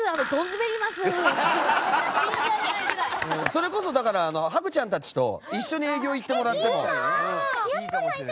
それこそハグちゃんたちと一緒に営業行ってもらっても。